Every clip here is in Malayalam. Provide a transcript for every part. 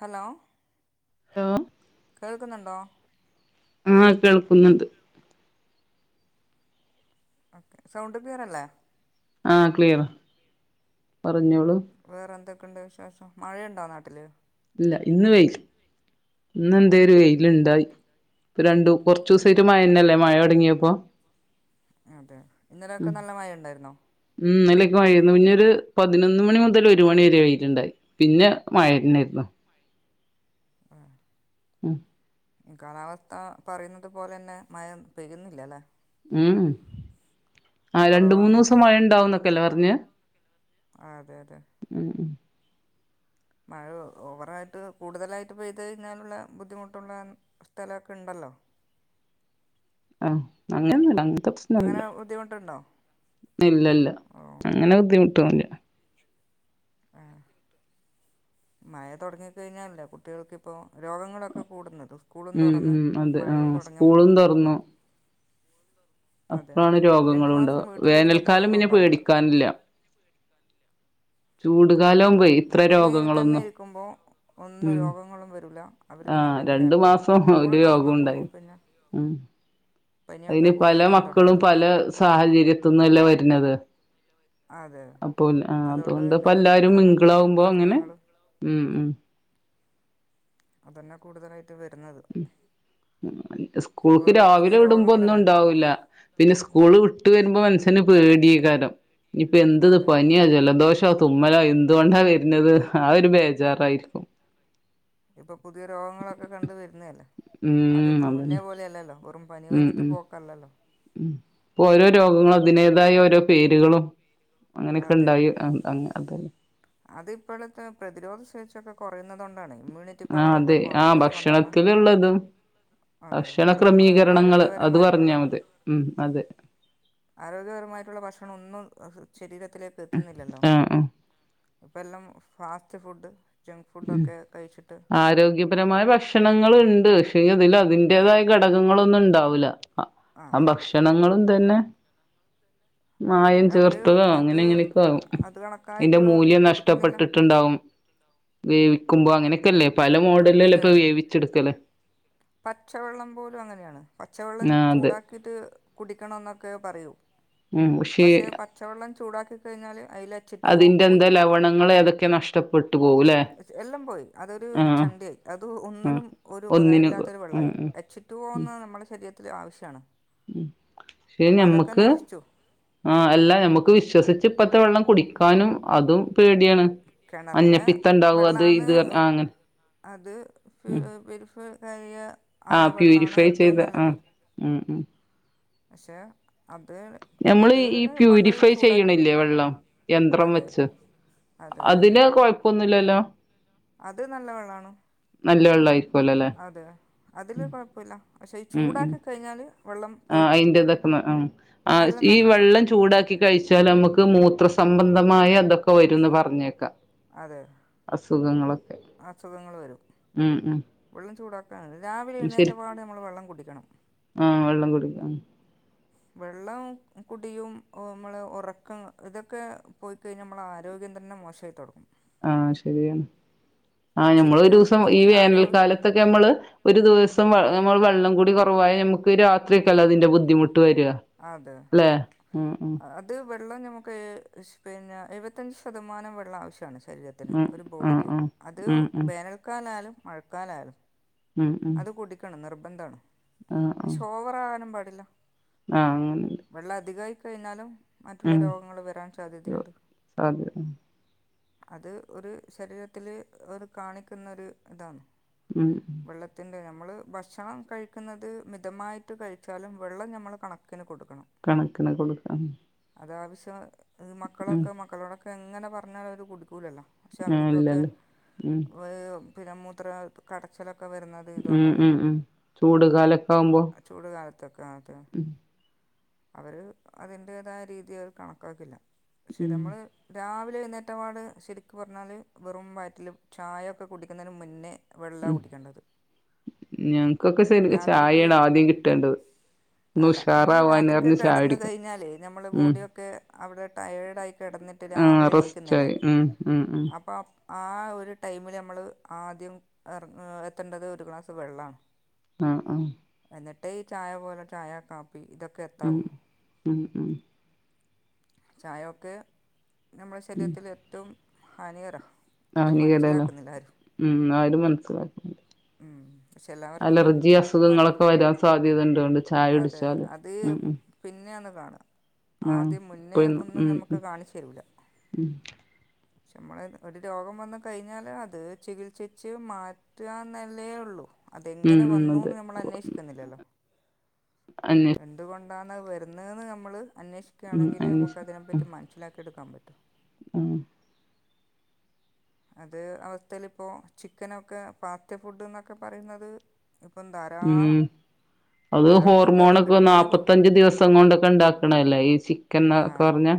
ഹലോ ഹലോ കേക്കുന്നുണ്ടോ? ആഹ് കേൾക്കുന്നുണ്ട് ഓക്കെ, സൗണ്ട് ക്ലിയർ അല്ലേ? ആഹ് ക്ലിയറ പറഞ്ഞോളൂ വേറെ എന്തൊക്കെയുണ്ട് വിശേഷം? മഴയോണ്ടോ നാട്ടില്? ഇല്ല ഇന്ന് വെയിൽ ഇന്ന് ആ എന്തേ ഒരു വെയിലുണ്ടായി. ഇപ്പം രണ്ടു കുറച്ച് ദിവസയിട്ട് മഴ തന്നെയല്ലേ മഴ തുടങ്ങിയപ്പോ അതെ ഇന്നലെയൊക്കെ നല്ല മഴ ഉണ്ടായിരുന്നോ? മ് ഇന്നലെയൊക്കെ മഴ ആയിരുന്നു പിന്നെ ഒരു പതിനൊന്ന് മണി മുതൽ ഒരു മണി വരെ വെയിലുണ്ടായി. പിന്നെ മഴന്നായിരുന്നു ആഹ് മ് കാലാവസ്ഥ പറയുന്നത് പോലെ തന്നെ മഴ പെയ്യുന്നില്ലല്ലേ? ഉംമ് ആ കുറവാണ് രണ്ടുമൂന്ന് ദിവസം മഴ ഉണ്ടാവുന്നൊക്കെ അല്ലേ പറഞ്ഞേ? ആഹ് അതെ അതെ ഉഹ് മ് മഴ ഓവറായിട്ട് കൂടുതലായിട്ട് പെയ്ത് കഴിഞ്ഞാലുള്ള ബുദ്ധിമുട്ടുള്ള സ്ഥലൊക്കെ ഉണ്ടല്ലോ ആഹ് അങ്ങനെയൊന്നും ഇല്ല അങ്ങനത്തെ പ്രശ് അങ്ങനെ ബുദ്ധിമുട്ടുണ്ടോ ഇല്ലല്ല ഓ അങ്ങനെ ബുദ്ധിമുട്ടൊന്നുല്ല ആഹ് മഴ തൊടങ്ങിക്കഴിഞ്ഞാല് എല്ലാ കുട്ടികൾക്കിപ്പോ രോഗങ്ങളൊക്കെ കൂടുന്നത് സ്കൂളും ഉം തൊറന്ന് ഉം അതെ മഴയും ആഹ് തൊടങ്ങ്മ്പോ സ്കൂളും തൊറന്നു അതെ അപ്പോഴാണ് രണ്ട് രോഗങ്ങളും ഉണ്ടാവുക മാസം വീട്ടിലിര്ന്നപ്പോ വേനൽക്കാലം പിന്നെ ഒന്നുണ്ടാവൂല പേടിക്കാനില്ല ചൂടുകാലും വീട്ടില് തന്നെ ഇരിക്കുമ്പോ ഒന്നും ഉം രോഗങ്ങളും വരൂല അവർക്ക് ആഹ് നല്ലൊരു രണ്ടു മാസം ഹാപ്പിയായിരിക്കും സ്കൂള് ഒരു രോഗം തൊറന്നോക്കുമ്പോ ഉണ്ടായി പിന്നെ ഉം പനിയൊക്കെ കൂടി വരാൻ തൊടങ്ങിയില്ലേ ഇപ്പോ സാഹചര്യത്ത്ന്ന് അല്ലേ വര്ന്നത് അതെ അപ്പൊ എൽ ആഹ് അതുകൊണ്ട് അതോണ്ട് തന്നെ ഇപ്പല്ലാരും അലർജി മിംഗ്ളാവുമ്പോ അങ്ങനെ പ്രശ്നങ്ങൾ ഉം ഉം അതന്നെ കൂടുതലായി ട്ട് വര്ന്നത് മ്മ് സ്കൂള്ക്ക് ഓരോരോ പുതിയ രാവിലെ വിട്മ്പോ രോഗങ്ങളല്ലേ ഒന്നുണ്ടാവൂല്ല പിന്നെ സ്കൂള് വിട്ട് വരുമ്പോ മനുഷ്യന് പേടിയേക്കാരം ഇനിയിപ്പോ എന്ത്‌ അതെ പനിയാ ജലദോ ഷോ തുമ്മലോ എന്തോണ്ടാ വരുന്നത് ആ ഒരു ബേജാറായിരിക്കും ഇപ്പൊ പുതിയ രോഗങ്ങളൊക്കെ കണ്ട് വര്ന്നതല്ലേ ഉം ആദ്യത്തെ മുന്നേ അതന്നെ പോലെയല്ലല്ലോ വെറും പനി ഉം വന്നിട്ട് പോക്കല്ലല്ലോ ഉം ഇപ്പൊ ഓരോ രോഗങ്ങളും അതിനേതായ ഓരോ പേര്കളും അതെ അങ്ങനെക്കെണ്ടായി അത് അത് അതെന്നെ അത് ഇപ്പളത്തെ പ്രതിരോധശേഷിയൊക്കെ കൊറയ്ന്നതോണ്ടാണ്. ഇമ്മ്യൂണിറ്റി ആ പവറൊക്കെ അതെ ആ കൊറയുന്നത് കൊണ്ടാണ് ഭക്ഷണത്തിലുള്ളതും അതെ ഭക്ഷണ അത് നമ്മളെ ക്രമീകരണങ്ങള് അത് ആരോഗ്യപരമായിട്ടുള്ള പറഞ്ഞാ മതി ഉം അതെ ആരോഗ്യപരമായിട്ടുള്ള ഭക്ഷണം ഒന്നും ശരീരത്തിലേക്ക് എത്തുന്നില്ലല്ലോ. ആ ആ ഇപ്പെല്ലാം ഫാസ്റ്റ് ഫുഡ് ജങ്ക് ഉം ഫുഡൊക്കെ കഴിച്ചിട്ട് ആരോഗ്യം പരമായ ഭക്ഷണങ്ങള്ണ്ട് പക്ഷെങ്കി അതില് അതിന്റേതായ ഘടകങ്ങളൊന്നും ഇണ്ടാവൂല അ ആ ഭക്ഷണങ്ങളും തന്നെ മായം അതിനവർ ചേർത്തതോ അത് അങ്ങനെ എങ്ങനെയൊക്കാവും അത് അയിന്റെ കണക്കായിട്ട് മൂല്യം കൊടുക്കുന്നില്ല നഷ്ടപ്പെട്ടിട്ട്ണ്ടാവും. വേവിക്കുമ്പോ അങ്ങനെക്കെല്ലേ പല മോഡലിലല്ലേ അതെ ഇപ്പൊ അതെ വേവിച്ചെട്ക്കല് പച്ചവെള്ളം പോലും അങ്ങനെയാണ് പച്ചവെള്ളം ആ അതെ ചൂടാ ക്കീട്ട് കുടിക്കണന്നൊക്കെ പറയും ഉം പക്ഷേ പക്ഷെ പ ച്ചവെള്ളം ചൂടാക്കി കഴിഞ്ഞാല് അയിലെ അതിന്റെന്തോ ലവണങ്ങള് ഏതൊക്കെ നഷ് എല്ലം പോയി അതൊരു ആ ചണ്ടിയായി അത് ആ ഒന്നിനും ഒരു ഒന്നിന് ഉപകാരല്ലാത്തൊര് ഉം വെള്ളായി. ഉം വെച്ചിട്ട് പോവുന്നത് നമ്മളെ ശരീരത്തിലെ ആവശ്യാണ്. ഉം പക്ഷെ ഞമ്മക്ക് ആഹ് അല്ല ഞമ്മക്ക് വിശ്വസിച്ച് ഇപ്പത്തെ വെള്ളം കുടിക്കാനും അതും പേടിയാണ്. കെണറിലെ മഞ്ഞപ്പിത്തം ഉണ്ടാവും അത് വെള്ളാന്ന് ഇത് ആ അങ്ങനെ അത് [unintelligible] വെരി [unintelligible] ആഹ് പ്യൂരിഫൈ ചെയ്ത ആഹ് ഉം ഉം പക്ഷെ അത് ഞമ്മള് ഈ അതിന് കൊണ്ട് പ്യൂരിഫൈ ചൂടാക്കിയിട്ട് ചെയ്യണില്ലേ വെള്ളം യന്ത്രം അതെ വെച്ച്? അതെ അതിന് അത് കൊഴപ്പൊന്നുല്ലല്ലോ? അത് നല്ല വെള്ളാണ്. നല്ല വെള്ളായി അതെയ് അതില് കൊഴപ്പല്ല പക്ഷെ ഈ ചൂടാക്കി കഴിഞ്ഞാല് ആഹ് അയിന്റെതൊക്കെ മാ ആഹ് ആഹ് എല്ലാം ഈ നശിച്ചു വെള്ളം ചൂടാക്കി കഴിച്ചാല് മ്മക്ക് മൂത്രസംബന്ധമായ എന്തൊക്കെ വരുന്ന് പറഞ്ഞേക്കാം. അതെ. അസുഖങ്ങളൊക്കെ അസുഖങ്ങള് വരും. ഉം ഉം. വെള്ളം ചൂടാക്കാന് രാവിലെ എഴുന്നേറ്റപ്പാടെ നമ്മള് വെള്ളം കുടിക്കണം. ആഹ് വെള്ളം കുടിക്കണം ഉം വെള്ളം കുടിയും ഓഹ് മ്മളെ ഒറക്കം ഇതൊക്കെ പോയിക്കഴിഞ്ഞാ നമ്മളെ ആരോഗ്യം തന്നെ മോശായി. ട്ടും ആഹ് ശരിയാണ് ആഹ് ശരിക്കും ഞമ്മളൊരൂസം ഈ ആരോഗ്യ വേനൽക്കാലത്തൊക്കെ നമ്മള് ഒരു ദിവസം വ നമ്മള് വെള്ളം കൂടി കൊറവായ ഞമ്മക്ക് രാത്രിയൊക്കെല്ലേ അതിന്റെ ബുദ്ധിമുട്ട് വരാ? അതെ അത് അത് വെള്ളം ഞമ്മക്ക് എശ് പിന്നെ എഴുപത്തഞ്ച് ശതമാനം വെള്ളം ആവശ്യാണ് ശരീര ത്തിന് ഉം ഒരു ആ ബോഡിക്ക് ആ അത് ഉം ഉം വേനൽക്കാലായാലും മഴക്കാലായാലും. ഉം ഉം അത് കുടിക്കണം നിർബന്ധാണ് ആ പക്ഷെ ഓവറാകാനും പാടില്ല. ആഹ് അങ്ങനെണ്ട് വെള്ളം അധികായി കഴിഞ്ഞാലും മറ്റുള്ള ഉം രോഗങ്ങള് വരാൻ സാധ്യതയ്ണ്ട്. സാധ്യത അത് ഒരു ശരീരത്തില് അത് കാണിക്കുന്നൊരു ഇതാണ്. ഉം. വെള്ളത്തിൻ്റെ ഞമ്മള് ഭക്ഷണം കഴിക്കുന്നത് മിതമായിട്ട് കഴിച്ചാലും വെള്ളം ഞമ്മള് കണക്കിന് കൊടുക്കണം. കണക്കിന് കൊടുക്കണം. അത് ആവശ്യം മക്കളൊക്കെ മക്കളോടൊക്കെ എങ്ങനെ പറഞാലും അവര് കുടിക്കൂലല്ലോ പക്ഷെ ആ അവർക്കൊക്കെ ഇല്ലല്ലോ ഉം പിന്നെ മൂത്ര കടച്ചിലൊക്കെ വരുന്നത് ഉം ഇതുകൊണ്ടാണ് ഉം ഉം ചൂട് കാലൊക്കെ ആവുമ്പോ ചൂട് കാലത്തൊക്കെ ആഹ് അതെ അവര് അതിന്റെതായ രീതി അവര് കണക്കാക്കില്ല പക്ഷെ ഉം നമ്മള് രാവിലെ എഴുന്നേറ്റപാട് ശരിക്ക് പറഞ്ഞാല് വെറും വയറ്റില് ചായൊക്കെ കുടിക്കുന്നതിന് മുന്നേ വെള്ളാ ഉം കുടിക്കേണ്ടത് ഞങ്ങക്കൊക്കെ ശെരി രാത്രിക്ക് ചായാണ് ആദ്യം കിട്ടേണ്ടത് ഒന്ന് അല്ല നമ്മള് ഉഷാറാവാന് രാത്രി ഒക്കെ പറഞ്ഞ് ചായ കെടന്ന് കുടിക്കും കയിഞ്ഞാലേ നമ്മള് ഉം ബോഡിയൊക്കെ അവടെ ടയേർഡായി കെടന്നിട്ട് ആ രാവിലെ എണീക്കുന്നല്ലേ റെസ്റ്റായി ഉം ഉം ഉം അപ്പൊ ആ ഒരു ടൈമില് നമ്മൾ ആദ്യം എർ എത്തേണ്ടത് ഒരു ഗ്ലാസ്സ് വെള്ളാണ് ആഹ് ആഹ് എന്നിട്ട് ഈ ചായ പോലെ ചായ കാപ്പി ഇതൊക്കെ ഉം എത്താവൂ ഉം ഉം ചായൊക്കെ നമ്മുടെ ശരീരത്തില് ഏറ്റവും ഹാനികരാ ഹാനികരാലോ ഉം ആരും മനസ്സിലക്കൂല ഉം പക്ഷെ എല്ലാവർക്കും മറ്റെ അസുഖങ്ങളൊക്കെ വരാൻ സാധ്യത ഉണ്ടോണ്ട് ചായ അതെ കുടിച്ചാല് അത് ഉം പിന്നാണ് കാണ ആ ഉം ദ്യം മുന്നേ ഇപ്പഴും ഒന്നും ഉം ഞമ്മക്ക് കാണിച്ചരൂല ഉം പക്ഷെ നമ്മള് ഒരു രോഗം വന്നു കഴിഞ്ഞാല് അത് ചികിത്സിച്ച് മാറ്റ എന്നല്ലേ ഉള്ളൂ ഉം അതെങ്ങനെ ഉം വന്നൂന്ന് നമ്മള് അന്വേഷിക്കുന്നില്ലല്ലോ അന്നെ എന്തുകൊണ്ടാണാന്ന് അത് വരുന്നതെന്ന് നമ്മള് ഉം അന്വേഷിക്കാണെങ്കിൽ അന്വേഷ നമുക്ക് അതിനെപ്പറ്റി മനസ്സിലാക്കിയെടുക്കാൻ പറ്റും ഉം അത് അവസ്ഥേല് ഇപ്പോ ചിക്കനൊക്കെ പാത് ഫുഡ്ന്നൊക്കെ പറയുന്നത് ഇപ്പൊ ധാ ഉം രാളം അത് ഹോർമോണ് ഒക്കെ പറ്റൂ നാപ്പത്തഞ്ച് ദിവസം കൊണ്ടൊക്കെ ഇണ്ടാക്കണല്ലേ ഈ ചിക്കൻ ഒക്കെ പറഞ്ഞ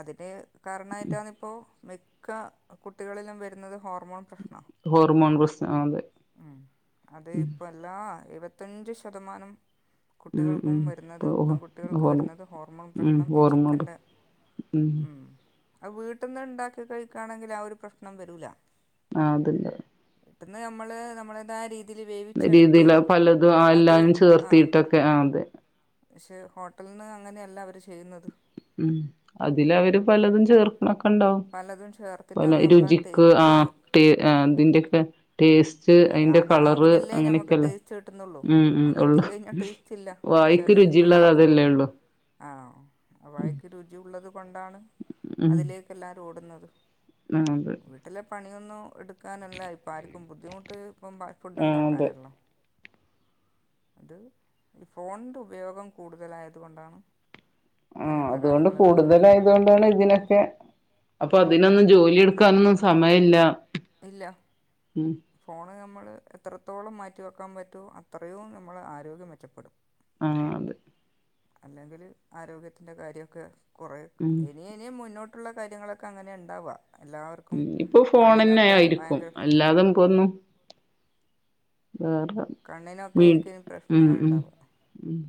അതില് കാരണായിട്ടാനിപ്പോ മി ക്ക കുട്ടികളിലും വരുന്നത് ഹോർമോൺ പ്രശ്നാ ഹോർമോൺ പ്രശന അതെ അത് ഇപ്പോൾ എല്ലാ എഴുവത്തഞ്ച് ശതമാനം ഉം കുട്ടികൾക്കും ഉം വരുന്നത് ഇപ്പൊ പെൺകുട്ടികൾക്ക് ഹോർ വരുന്നത് ഹോർമോൺ ഉം പ്രശ്നം ഈ ഹോർമോൺ ചിക്കന്റെ ഉം ഉം അ വീട്ട്ന്ന് ഉണ്ടാക്കി കഴിക്കാണെങ്കിൽ ആ ഒരു പ്രശ്നം വരൂല ആ അതില്ല വീട്ട്ന്ന് നമ്മള് നമ്മളെതായ രീ തിൽ വേവിച്ചെടുത്ത് രീതിയില് പലതും അത് എല്ലാരും ആ ചേർത്തിട്ടൊക്കെ ആ അതെ പക്ഷെ ഹോട്ടല്ന്ന് അങ്ങനെയല്ല അവര് ചെയ്യുന്നത് ഉം അതില് അവര് പലതും ചേർക്കണൊക്കെ ഇണ്ടാവും പലതും ചേർത്തിട്ടാണ് നമ്മൾ ആ രുചിക്ക് ആ ടേസ്റ്റ് ഉം. അതിന്റൊക്കെ ടേസ്റ്റ് അതാ അതിന്റെ കളർ നാവിനല്ലേ നമുക്ക് അങ്ങനെയൊക്കെല്ലേ ടേസ്റ്റ് കിട്ടുന്നുള്ളൂ ഉം ഉം അങ്ങ് ഉള്ളു എത്തിക്കഴിഞ്ഞാൽ ടേസ്റ്റ് ഇല്ല പക്ഷെ വായക്ക് അത് രുചിയുള്ളത് നമുക്ക് അതല്ലേ ഉള്ളു ആ വായക്ക് രുചിയള്ളത് കൊണ്ടാണ് അതിലേക്ക് എല്ലാരും ഓടുന്നത് ആഹ് അതെ വീട്ടിലെ പണിയൊന്നും എടുക്കാനല്ല ഇപ്പ ആര്ക്കും ബുദ്ധിമുട്ട് ഇപ്പം ഫുഡ് ആ അതെ ഇണ്ടാക്കാനണല്ലോ അത് ഈ ഫോണിന്റെ ഉപയോഗം കൂടുതലായത് കൊണ്ടാണ് ആഹ് ഇങ്ങനെയുള്ള അതുകൊണ്ട് കാര്യങ്ങളൊക്കെ വരുന്നത് കൂടുതലായതുകൊണ്ടാണ് ഇതിനൊക്കെ അപ്പൊ അതിനൊന്നും ജോലി എടുക്കാനൊന്നും സമയല്ല ഇല്ലാ ഉം ഫോണ് നമ്മള് എത്രത്തോളം മാറ്റിവെക്കാൻ പറ്റൊ അത്രയും നമ്മളെ ആരോഗ്യം മെച്ചപ്പെടും. ആഹ് അതെ അല്ലെങ്കിൽ ആരോഗ്യത്തിന്റെ കാര്യൊക്കെ കുറേ ഉം ഇനി ഇനി മുന്നോട്ടുള്ള കാര്യങ്ങളൊക്കെ അങ്ങനെ ഉണ്ടാവ എല്ലാവ ഉം ഇപ്പൊ ഫോണന്നെ ആയിരിക്കും പ്രശ്നം അല്ലാതെ ഇപ്പന്നും വേറെ വീ കണ്ണിനൊക്കൊയിരിക്കും ഉം ഉം പ്രശ്നങ്ങൾണ്ടാവ ഉം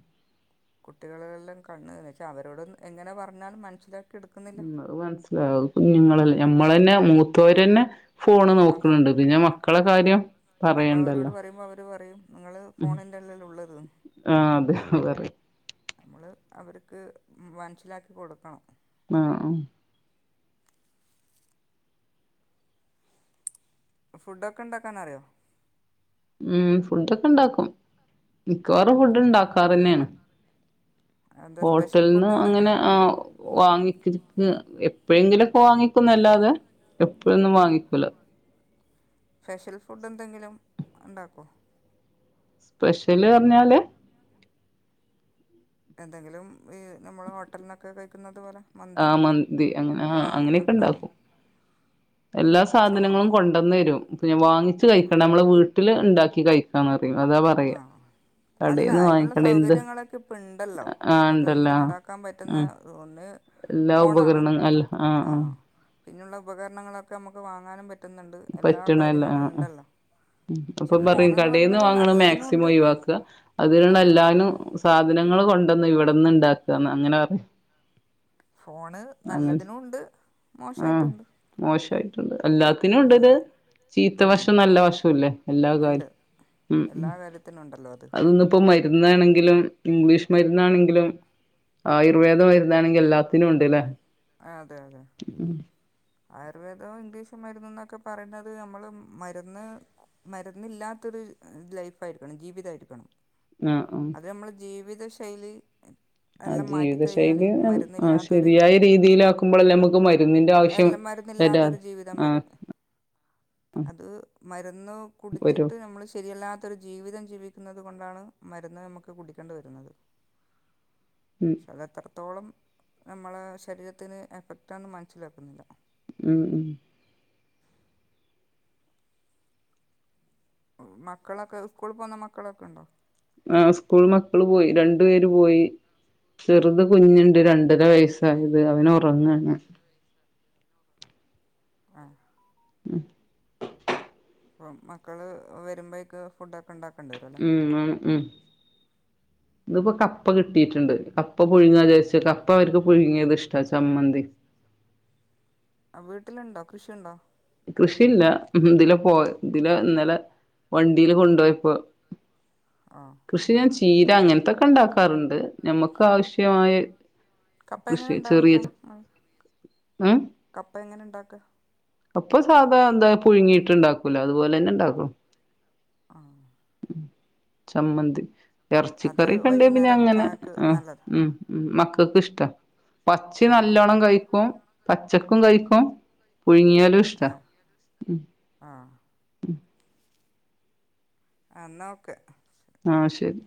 കുട്ടികളെല്ലാം കണ്ണ് പക്ഷെ അവരോട് എങ്ങനെ പറഞ്ഞാലും മനസ്സിലാക്കി എടുക്കുന്നില്ല അത് മനസ്സിലാവും കുഞ്ഞുങ്ങളല്ലേ ഞമ്മൾ തന്നെ മൂത്തോര്ന്നെ ഫോണ് അതെ നോക്ക്‌ണ് ണ്ട് പിന്നെ മക്കളെ കാര്യം അപ്പോൾ അവരോട് പറയണ്ടല്ലോ പറയുമ്പോൾ അവർ പറയും നിങ്ങൾ ഉം ഫോണിൻ്റെ ഉള്ളിൽ ഉള്ളത് ആ അതെ പറയ്‌ നമ്മള് അവര്ക്ക് മൻസ്സിലാക്കി കൊടുക്കണം ആഹ് ആ ഫുഡ് ഒക്ക ഇണ്ടാക്കാന അറിയോ ഉം ഫുഡക്ക ഇണ്ടാക്കും മിക്കവാറും ഫുഡ് വീട്ടിൽനിന്ന് ഇണ്ടാക്കാറന്നെണ് എന്താ സ്പെഷ്യൽ ഹോട്ടൽന്ന് ഫുഡ് അങ്ങനെ എന്തെങ്കിലും ആ വാങ്ങിക്ക എപ്പഴെങ്കിലോക്ക വാങ്ങിക്കുന്നല്ലാതെ എപ്പഴൊന്നും ആ വാങ്ങിക്കൂല സ്പെഷ്യൽ ഫുഡ് എന്തെങ്കിലും ഇണ്ടാക്കോ സ്പെഷ്യല് പർഞ്ഞാല് എന്തെങ്കിലും ഈ നമ്മള് ഹോട്ടൽന്നോക്ക കഴിക്കുന്നത് പോലെ മന്തി ആഹ് മന്തി അങ്ങനെ ആഹ് ഫാമ് അങ്ങനെയൊക്കെ അൽഫാമോ ഇണ്ടാക്കും എല്ലാ സാധനങ്ങളും കൊണ്ടന്നരും പിന്നെ വാങ്ങിച്ച് കഴിക്കണ്ട നമ്മള് വീട്ടില് ഇണ്ടാക്കി കഴി ക്കണ ആദ്യം അതാ പറയ ആ അല്ല അയിനുള്ള സൗകര്യങ്ങളൊക്കെ ഇപ്പ ഇണ്ടല്ലോ ആഹ് നമുക്ക് എന്ത് ഇണ്ടല്ലോ ഇണ്ടാക്കാം പറ്റുന്ന ആഹ് ഒ ഒന്ന് എല്ലാ ഉപകരണ അൽ ആഹ് ആഹ് പിന്നള്ള ഉപകരൺങ്ങളൊക്കെ നമുക്ക് വാങ്ങാനും പ റ്റുന്നുണ്ട് എല്ലാ പറ്റണല്ല കാര്യങ്ങള് ആഹ് ആഹ് ഇണ്ടല്ലോ പക്ഷെ ഫോണ്ന്ന് പർഞ്ഞത് നല്ല മം ഒഴിവാക്ക അതിന്ള്ള എല്ലാനും സാധനങ്ങള് കൊണ്ടന്ന് ഇവട്ന്ന് ഇണ്ടാക്കാന്ന് അങ്ങന പറയും ഫോണ് അങ്ങനെ നല്ലതിനുണ്ട് ആഹ് മോശായിട്ടുണ്ട് എല്ലാത്തിനും ഉണ്ട് ഇത് നല്ലത് ചീത്ത ഉം, വശം നല്ല വഷുല്ലേ എല്ലാ ഉണ്ട് കാര്യം എല്ലാ കാര്യത്തിനും അത് ന്ന് ഇപ്പോ മര്ന്നാണെങ്കിലും ഇംഗ്ലീഷ് മര്ന്നാണെങ്കിലും ആയുർവേദ മര്ന്നാണെങ്കി എല്ലാത്തിനു ഉണ്ട് ലെ ആ അതെ അതെ ഉം ആയുർവേദവും ഇംഗ്ലീഷ് മര്ന്ന്ന്നൊക്കെ പറിണത് നമ്മള് മരുന്ന് മര്ന്നില്ലാത്തൊര് ലൈഫായിരിക്കണം ജീവിത ആയിരിക്കണം ആഹ് ഉം അത് നമ്മളെ ജീവിത ശൈലി ആ ജീവിത ശൈലി ആ ശരിയായ രീതിയിലാക്കുമ്പളല്ലേ നമുക്ക് മ അല്ല മര്ന്നില്ലാത്തൊരു ജീവിതം ആഹ് വരൂ അത് മരുന്ന് വരും കുടിച്ചിട്ട് നമ്മള് ശരിയല്ലാ ത്തൊരു ജീവിതം ജീവിക്കുന്നത് കൊണ്ടാണ് മരുന്ന് നമുക്ക് കുടിക്കേണ്ടി വരുന്നത് ഉം അത് എത്രത്തോളം നമ്മളെ ശരീരത്തിന് എഫക്റ്റാണ് മൻസ്സിലാക്കുന്നില്ല ഉം ഉം മക്കളൊക്ക സ്കൂളി പോവുന്ന മക്കളൊക്ക ഇണ്ടോ ആ സ്കൂൾ മക്കള് പോയി രണ്ടു പേര് പോയി ചെറ്ത് കുഞ്ണ്ട് രണ്ടര വയസ് സായത് അവന് ഒറങ്ങാണ് ആഹ് ഉം അപ്പം മക്കള് വരുമ്പഴേക്ക് ഫുഡ ക്കെ ഉണ്ടാക്കണ്ടെരോ. ഉം ആ ഉം. [inaudible] ഇത്പ്പൊ കപ്പ കിട്ടിയിട്ടുണ്ട് കപ്പ പുഴുങ്ങാ വിചാരിച്ച് കപ്പ അവർക്ക് പുഴുങ്ങിയത്ഷ്ടാ ചമ്മന്തി. ആ വീട്ടിലുണ്ടോ കൃഷിയുണ്ടോ. കൃഷിയില്ല ഇതിലെ പോ ഇതിലെ ഇന്നലെ. വണ്ടിയില് കൊണ്ടൊയപ്പൊ. ആഹ്. കൃഷി ഞാൻ ചീര അങ്ങനത്തൊക്കെ ഉണ്ടാക്കാറുണ്ട് നമ്മുക്ക് ആവശ്യമായ. കപ്പ എങ്ങനെ കൃഷി ചെറിയ ഉണ്ടാവുക്ക ഉം കപ്പ എങ്ങനെ ഉണ്ടാക്ക. കപ്പ സാധാ എന്ത പുഴുങ്ങിയിട്ട് ഇണ്ടാക്കൂലോ അതുപോലെ തന്നെ ഇണ്ടാക്കും. ആഹ്. ഉം ചമ്മന്തി അത് ഇറച്ചിക്കറിക്കെണ്ടേ പിന്നെ വൈകുന്നേരം അങ്ങനെ ചായക്ക് ആഹ് നല്ലതാണ് ഉം. ഉം മക്കൾക്ക്ഷ്ട പച്ച ആ നല്ലോണ്ണം കഴിക്കും പച്ചക്കും കഴിക്കും. പുഴുങ്ങിയാൽ. ആഹ് ആഹ്. ആഹ് എന്ന ഓക്കെ. ആഹ് ശരി.